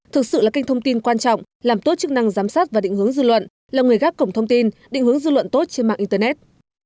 thực sự là kênh thông tin quan trọng làm tốt chức năng giám sát và định hướng dư luận là người gác cổng thông tin định hướng dư luận tốt trên mạng internet